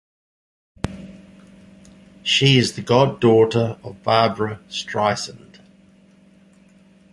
She is the god-daughter of Barbra Streisand.